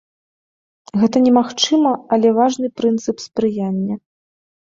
Гэта немагчыма, але важны прынцып спрыяння.